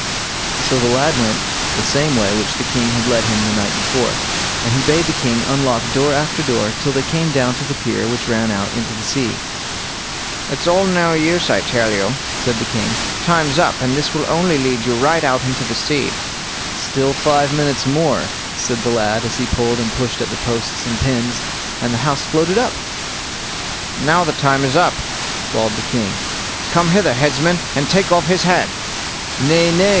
So the lad went the same way which the king had led him the night before, and he bade the king unlock door after door till they came down to the pier which ran out into the sea. "It's all no use, I tell you", said the king; "time's up, and this will only lead you right out into the sea." "Still five minutes more", said the lad, as he pulled and pushed at the posts and pins, and the house floated up. "Now the time is up", bawled the king; "come hither, headsman, and take off his head." "Nay, nay!"